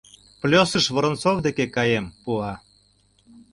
«Плёсыш» Воронцов дек каем, пуа.